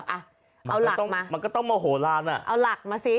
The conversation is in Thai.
อะเอาหลักมามันก็ต้องโมโหลานะเอาหลักมาสิ